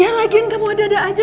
ya lagian kamu ada ada aja